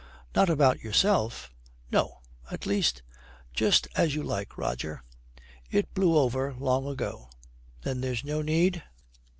Not about yourself?' 'No. At least ' 'Just as you like, Roger.' 'It blew over long ago.' 'Then there's no need?'